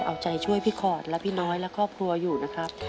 เอาใจช่วยพี่ขอดและพี่น้อยและครอบครัวอยู่นะครับ